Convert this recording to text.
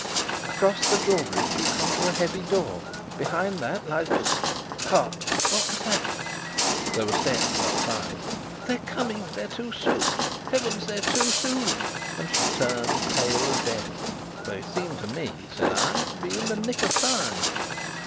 "Across the drawbridge you come to a heavy door; behind that lies Hark! What's that?" There were steps outside. "They're coming! They're too soon! Heavens! they're too soon!" and she turned pale as death. "They seem to me," said I, "to be in the nick of time."